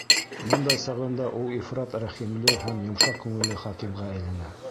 Бындай сағында ул ифрат рәхимле һәм йомшаҡ күңелле хакимға әйләнә.